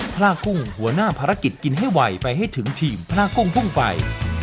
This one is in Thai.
พระกุ้งหัวหน้าภารกิจกินให้ไวไปให้ถึงทีมพระกุ้งพุ่งไป